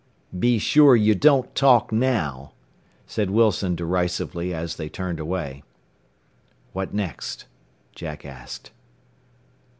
"Be sure you don't talk now," said Wilson derisively as they turned away. "What next?" Jack asked.